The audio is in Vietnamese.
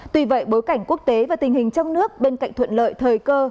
tuy vậy bối cảnh quốc tế và tình hình trong nước bên cạnh thuận lợi thời cơ